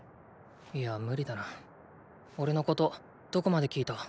いや無理だなおれのことどこまで聞いた？